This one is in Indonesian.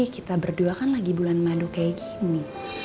kita berdua kan lagi bulan madu kayak gini